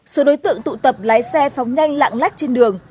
số đối tượng tụ tập lái xe phóng nhanh lạng lách trên đường